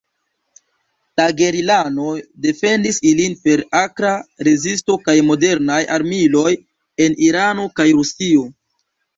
La gerilanoj defendis ilin per akra rezisto kaj modernaj armiloj el Irano kaj Rusio.